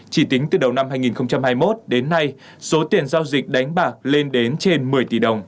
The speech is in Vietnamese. chỉ tính từ đầu năm hai nghìn hai mươi một đến nay số tiền giao dịch đánh bạc lên đến trên một mươi tỷ đồng